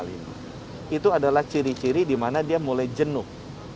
itu adalah ciri ciri di mana dia mulai jenuh